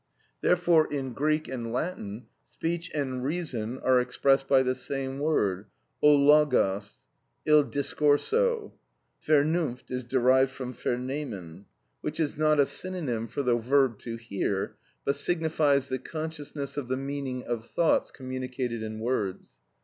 Therefore in Greek and Italian, speech and reason are expressed by the same word; ὁ λογος, il discorso. Vernunft is derived from vernehmen, which is not a synonym for the verb to hear, but signifies the consciousness of the meaning of thoughts communicated in words.